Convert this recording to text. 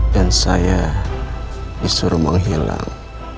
dan saya disuruh menghilang